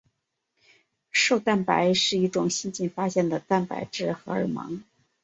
瘦蛋白是一种新近发现的蛋白质荷尔蒙。